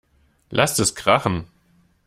Lasst es krachen!